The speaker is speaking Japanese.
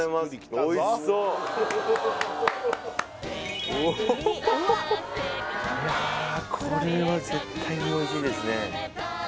おほほほほいやこれは絶対においしいですね